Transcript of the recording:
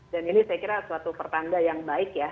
dan ini saya kira suatu pertanda yang baik ya